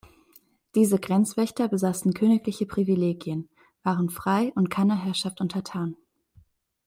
Diese Grenzwächter besaßen königliche Privilegien, waren frei und keiner Herrschaft untertan.